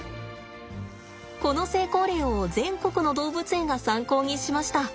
この成功例を全国の動物園が参考にしました。